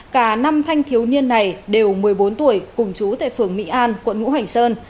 cả năm thanh thiếu niên này đều một mươi bốn tuổi cùng chú tại phường mỹ an quận ngũ hành sơn